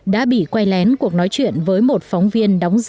đã bị quay lén cuộc nói chuyện với một phóng viên của cộng hòa xip